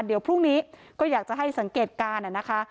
เดี๋ยวพรุ่งนี้ก็อยากจะให้สังเกตการณ์นะคะ